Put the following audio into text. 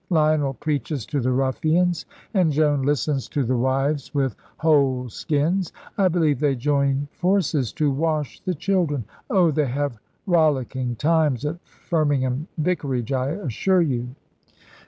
Lionel preaches to the ruffians, and Joan listens to the wives with whole skins. I believe they join forces to wash the children. Oh, they have rollicking times at Firmingham Vicarage, I assure you."